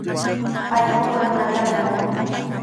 Allquqa nunatami kanin.